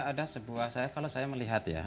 ada sebuah saya kalau saya melihat ya